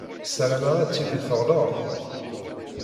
Ssarameɣ ad tili teɣleḍ.